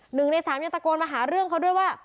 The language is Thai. หนึ่งในสามยังตะโกนมาหาเรื่องเขาด้วยว่า